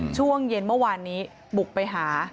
ช่วงเย็นเมื่อวานนี้บุกไปหา